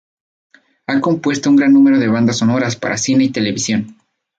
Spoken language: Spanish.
Ha compuesto un gran número de bandas sonoras para cine y televisión.